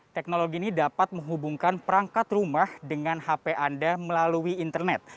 teknologi ini dapat menghubungkan perangkat rumah dengan hp anda melalui internet